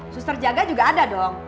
suster jaga juga ada dong